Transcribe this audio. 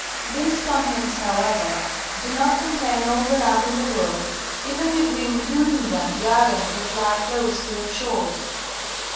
These continents, however, do not con tain all the land in the world, even if we include in them the islands that lie close to their shores.